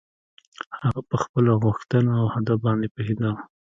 هغه په خپله غوښتنه او هدف باندې پوهېده.